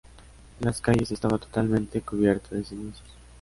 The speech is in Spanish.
Las calles estaba totalmente cubierta de cenizas.